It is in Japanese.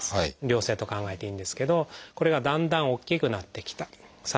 良性と考えていいんですけどこれがだんだん大きくなってきた。